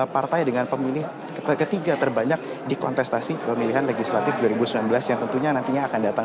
partai dengan pemilih ketiga terbanyak di kontestasi pemilihan legislatif dua ribu sembilan belas yang tentunya nantinya akan datang